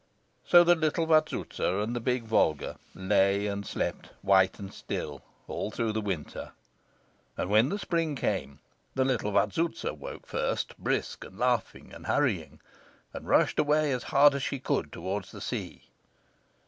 So the little Vazouza and the big Volga lay and slept, white and still, all through the winter. And when the spring came, the little Vazouza woke first, brisk and laughing and hurrying, and rushed away as hard as she could go towards the sea.